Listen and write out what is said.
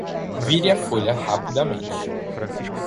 Vire a folha rapidamente